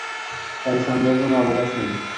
তাই সন্দেহের কোনো অবকাশ নেই।